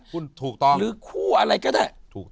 ผู้อะไรก็ได้